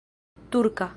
turka